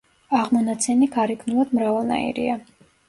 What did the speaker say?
აღმონაცენი გარეგნულად მრავალნაირია.